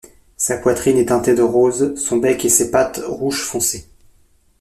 Sa poitrine est teintée de rose, son bec et ses pattes rouge foncé.